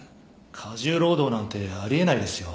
過重労働なんてあり得ないですよ。